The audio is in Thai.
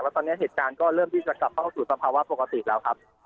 แล้วตอนนี้เหตุการณ์ก็เริ่มที่จะกลับเข้าสู่สภาวะปกติแล้วครับ